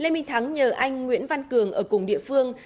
lê minh thắng nhờ anh nguyễn văn cường ở cùng địa phương